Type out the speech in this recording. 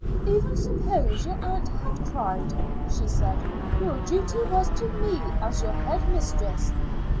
"Even suppose your aunt had cried," she said, "your duty was to me as your head mistress."